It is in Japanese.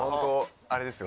あれですよ